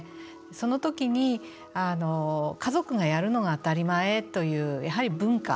その時に、家族がやるのが当たり前という、やはり文化。